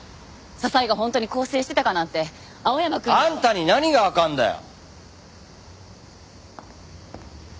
笹井が本当に更生してたかなんて青山くんには。あんたに何がわかんだよ！